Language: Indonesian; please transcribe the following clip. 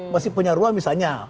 masih punya ruang misalnya